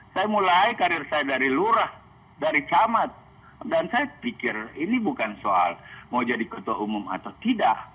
saya mulai karir saya dari lurah dari camat dan saya pikir ini bukan soal mau jadi ketua umum atau tidak